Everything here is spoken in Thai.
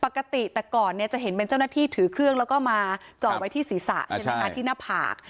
ปกติแต่ก่อนจะเห็นเป็นเจ้าหน้าที่ถือเครื่องแล้วก็มาจอดไว้ที่ศีรษะที่หน้าผาก